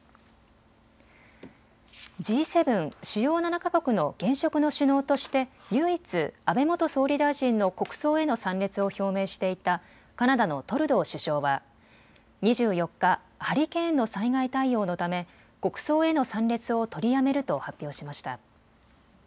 Ｇ７・主要７か国の現職の首脳として唯一、安倍元総理大臣の国葬への参列を表明していたカナダのトルドー首相は２４日、ハリケーンの災害対応のため国葬への参列を取りやめると発表しました。